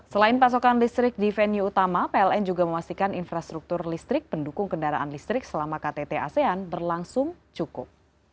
selain pasokan listrik di venue utama pln juga memastikan infrastruktur listrik pendukung kendaraan listrik selama ktt asean berlangsung cukup